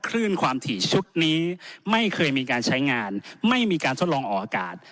คลื่นความถี่ชุดนี้ไม่เคยมีการใช้งานไม่มีการทดลองออกอากาศ